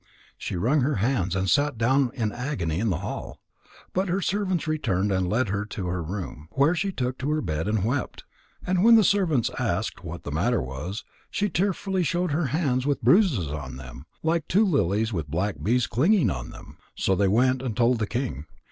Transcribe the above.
She wrung her hands and sat down in agony in the hall. But her servants returned and led her to her room, where she took to her bed and wept. And when the servants asked what the matter was, she tearfully showed her hands with bruises on them, like two lilies with black bees clinging to them. So they went and told the king.